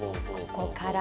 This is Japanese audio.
ここから。